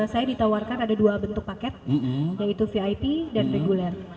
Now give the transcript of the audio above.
saya ditawarkan ada dua bentuk paket yaitu vip dan reguler